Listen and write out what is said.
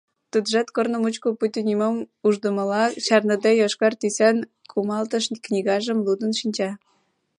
Тудыжат корно мучко пуйто нимом уждымыла, чарныде йошкар тӱсан кумалтыш книгажым лудын шинча.